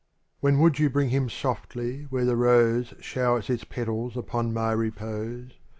m HEN would you bring him softly where the rose ^ Showers its petals upon my repose.